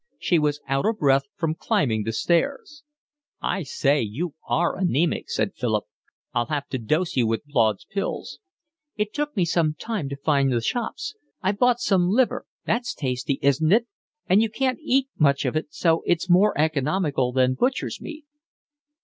She was out of breath from climbing the stairs. "I say, you are anaemic," said Philip. "I'll have to dose you with Blaud's Pills." "It took me some time to find the shops. I bought some liver. That's tasty, isn't it? And you can't eat much of it, so it's more economical than butcher's meat."